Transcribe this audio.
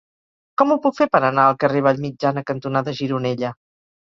Com ho puc fer per anar al carrer Vallmitjana cantonada Gironella?